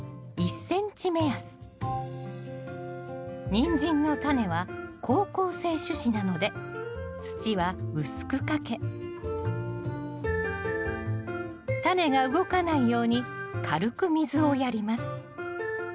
ニンジンのタネは好光性種子なので土は薄くかけタネが動かないように軽く水をやります